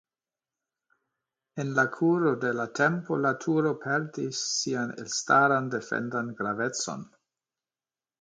En la kuro de la tempo la turo perdis sian elstaran defendan gravecon.